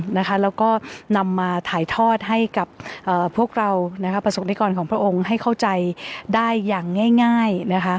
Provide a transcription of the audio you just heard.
แล้วก็นำมาถ่ายทอดให้กับพวกเราประสบนิกรของพระองค์ให้เข้าใจได้อย่างง่าย